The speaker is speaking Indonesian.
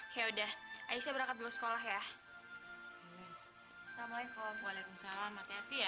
ya udah aisyah berangkat dulu sekolah ya